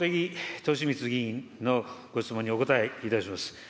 敏充議員のご質問にお答えいたします。